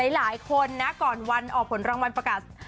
หลายคนนะก่อนวันออกผลรางวัลประกาศ